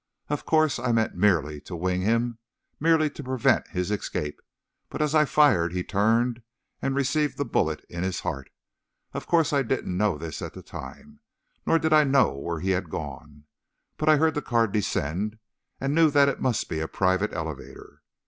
Of course, I meant merely to wing him, merely to prevent his escape, but as I fired he turned and received the bullet in his heart. Of course, I didn't know this at the time, nor did I know where he had gone. But I heard the car descend, and knew that it must be a private elevator.